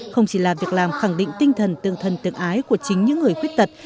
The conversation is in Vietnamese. không chỉ là việc làm khẳng định tinh thần tương thân tương ái của chính những người khuyết tật